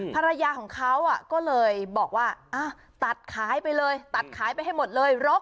ภรรยาของเขาก็เลยบอกว่าตัดขายไปเลยตัดขายไปให้หมดเลย